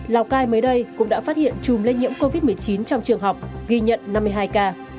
lào cai mới đây cũng đã phát hiện chùm lây nhiễm covid một mươi chín trong trường học ghi nhận năm mươi hai ca